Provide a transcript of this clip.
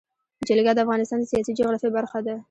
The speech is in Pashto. جلګه د افغانستان د سیاسي جغرافیه برخه ده.